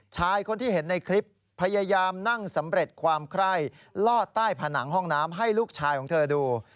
ชายคนที่เห็นในคลิปพยายามนั่งสำเร็จความไคร้ลอดใต้ผนังห้องน้ำให้ลูกชายของเธอดู